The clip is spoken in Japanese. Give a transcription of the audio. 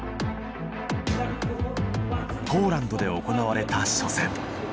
ポーランドで行われた初戦。